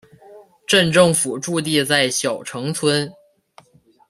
镇政府驻地在筱埕村。